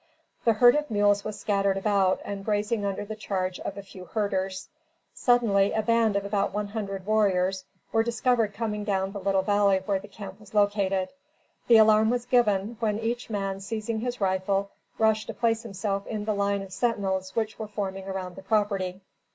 The herd of mules was scattered about, and grazing under the charge of a few herders. Suddenly a band of about one hundred warriors, were discovered coming down the little valley where the camp was located. The alarm was given, when each man seizing his rifle, rushed to place himself in the line of sentinels which were forming around the property.